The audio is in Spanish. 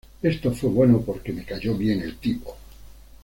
Esto fue bueno porque me cayó bien el tipo.